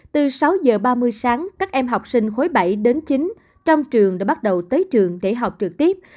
từ sáu giờ ba mươi sáng các em học sinh khối bảy đến chín trong trường đã bắt đầu tới trường để học trực tiếp